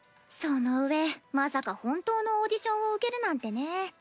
そのうえまさか本当のオーディションを受けるなんてね。